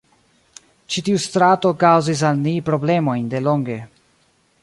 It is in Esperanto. Ĉi tiu strato kaŭzis al ni problemojn delonge.